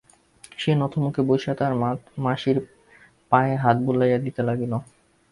সে নতমুখে বসিয়া তাহার মাসির পায়ে হাত বুলাইয়া দিতে লাগিল।